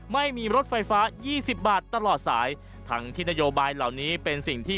ไม่มีรถไฟฟ้ายี่สิบบาทตลอดสายทั้งที่นโยบายเหล่านี้เป็นสิ่งที่